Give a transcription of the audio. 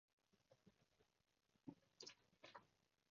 毒開嘅命運無法逆轉